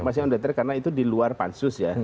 masih on the track karena itu diluar pansus ya